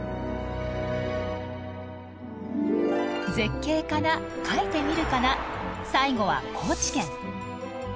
絶景かな描いてみるかな最後は高知県。